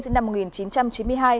sinh năm một nghìn chín trăm chín mươi hai